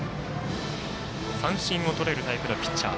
三振をとれるタイプのピッチャー。